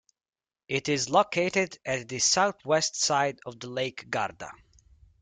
It is located at the southwest side of the Lake Garda.